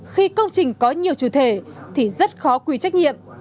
khi công trình có nhiều chủ thể thì rất khó quy trách nhiệm